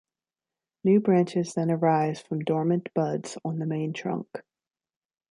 New branches then arise from dormant buds on the main trunk.